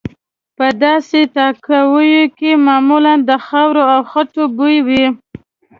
په داسې تاکاویو کې معمولا د خاورو او خټو بوی وي.